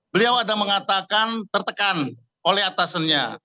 beliau ada mengatakan tertekan oleh atasannya